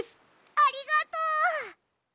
ありがとう！